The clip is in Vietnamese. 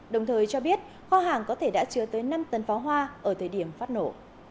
đồng thời cho biết kho hàng có thể đã chứa tới năm tấn pháo hoa ở thời điểm phát nổ